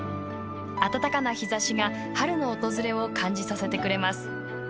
暖かな日差しが春の訪れを感じさせてくれます。